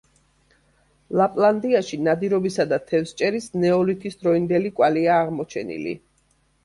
ლაპლანდიაში ნადირობისა და თევზჭერის ნეოლითის დროინდელი კვალია აღმოჩენილი.